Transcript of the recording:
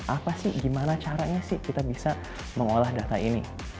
apa sih gimana caranya sih kita bisa mengolah data ini